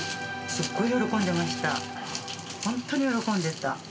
すっごい喜んでました。